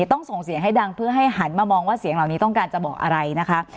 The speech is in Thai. ต้องส่งเสียงให้ดังเพื่อให้หันมามองว่าเสียงเหล่านี้ต้องการจะบอกอะไรนะคะ